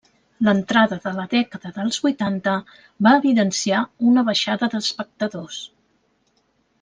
L’entrada de la dècada dels vuitanta va evidenciar una baixada d’espectadors.